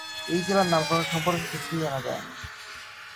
এই জেলার নামকরণ সম্পর্কে কিছুই জানা যায়নি।